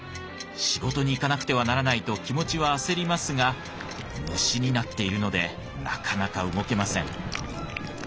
仕事に行かなくてはならないと気持ちは焦りますが虫になっているのでなかなか動けません。